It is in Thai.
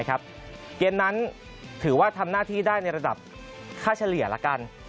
เกมนั้นถือว่าทำหน้าที่ได้ในระดับค่าเฉลี่ยละกัน